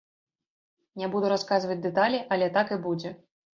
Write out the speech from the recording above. Не буду расказваць дэталі, але так і будзе.